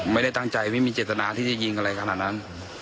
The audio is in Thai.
ไม่ได้ตั้งใจไม่มีเจตนาที่จะยิงอะไรขนาดนั้น